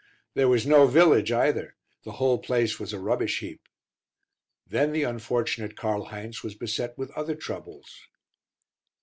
There was no village either the whole place was a rubbish heap. Then the unfortunate Karl Heinz was beset with other troubles.